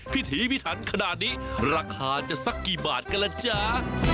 พิถีพิถันขนาดนี้ราคาจะสักกี่บาทกันล่ะจ๊ะ